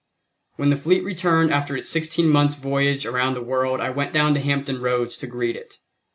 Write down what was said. When the fleet returned after its sixteen months' voyage around the world I went down to Hampton Roads to greet it.